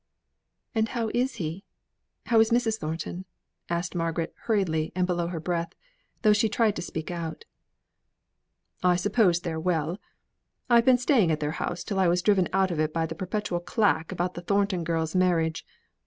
"And how is he? How is Mrs. Thornton?" asked Margaret hurriedly and below her breath, though she tried to speak out. "I suppose they're well. I've been staying at their house till I was driven out of it by the perpetual clack about that Thornton girl's marriage.